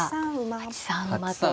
８三馬と。